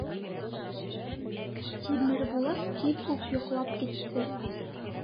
Тимербулат тиҙ үк йоҡлап китте.